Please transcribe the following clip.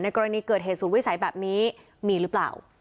กรณีเกิดเหตุศูนย์วิสัยแบบนี้มีหรือเปล่า